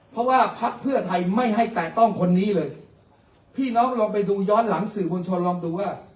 เพราะว่าพักเพื่อไทยไม่ให้แตะต้องคนนี้เลยพี่น้องลองไปดูย้อนหลังสื่อมวลชนลองดูว่า